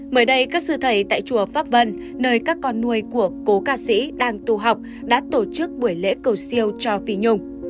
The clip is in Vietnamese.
mới đây các sư thầy tại chùa pháp vân nơi các con nuôi của cố ca sĩ đang tu học đã tổ chức buổi lễ cầu siêu cho phi nhung